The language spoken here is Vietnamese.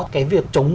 cái việc chống